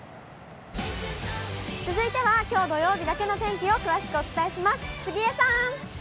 続いてはきょう土曜日だけの天気を、詳しくお伝えします。